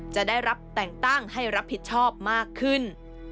จะได้รับแต่งตั้งให้รับผิดชอบมากขึ้น